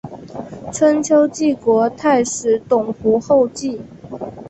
春秋晋国太史董狐后裔。